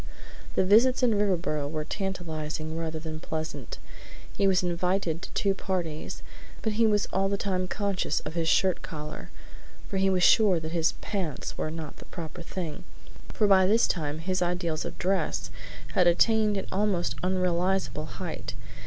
The visits in Riverboro were tantalizing rather than pleasant. He was invited to two parties, but he was all the time conscious of his shirt collar, and he was sure that his "pants" were not the proper thing, for by this time his ideals of dress had attained an almost unrealizable height.